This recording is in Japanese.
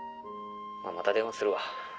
また電話するわ。